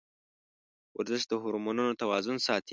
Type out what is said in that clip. ورزش د هورمونونو توازن ساتي.